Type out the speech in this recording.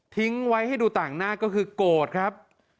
ทิ้งไว้ให้ดูต่างหน้าก็คือโกรธครับ